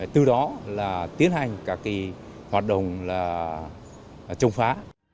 từ đó là tiến hành cả kỳ hoạt động là chống phá